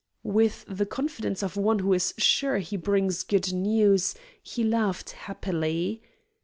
With the confidence of one who is sure he brings good news, he laughed happily.